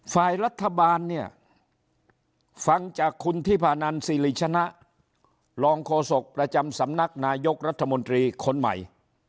ฝ่ายรัฐบาลเนี่ยฟังจากคุณทิพานันสิริชนะรองโฆษกประจำสำนักนายกรัฐมนตรีคนใหม่